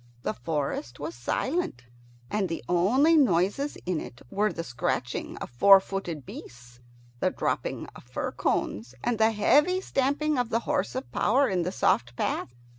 The forest was silent, and the only noises in it were the scratching of four footed beasts, the dropping of fir cones, and the heavy stamping of the horse of power in the soft path.